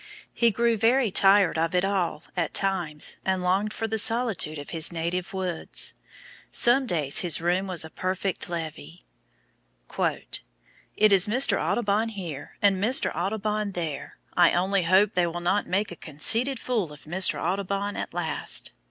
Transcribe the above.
He grew very tired of it all at times, and longed for the solitude of his native woods. Some days his room was a perfect levee. "It is Mr. Audubon here, and Mr. Audubon there; I only hope they will not make a conceited fool of Mr. Audubon at last."